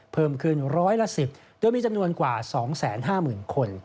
เพิ่มขึ้นร้อยละ๑๐โดยมีจำนวนกว่า๒๕๐๐๐คน